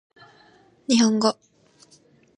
日本語